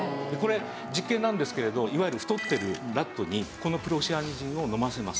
これ実験なんですけれどいわゆる太ってるラットにこのプロシアニジンを飲ませます。